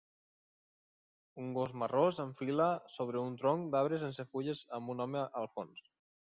un gos marró s'enfila sobre un tronc d'arbre sense fulles amb un home al fons